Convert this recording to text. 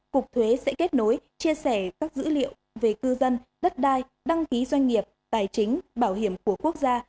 cục thuế sẽ kết nối chia sẻ các dữ liệu về cư dân đất đai đăng ký doanh nghiệp tài chính bảo hiểm của quốc gia